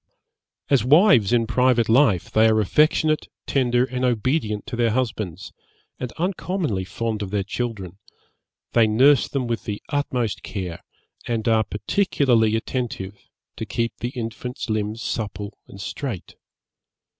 'As wives in private life, they are affectionate, tender and obedient to their husbands, and uncommonly fond of their children: they nurse them with the utmost care, and are particularly attentive to keep the infant's limbs supple and straight.